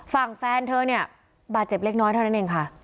ฝั่งแฟนเธอเนี่ยบาดเจ็บเล็กน้อยเท่านั้นเองค่ะ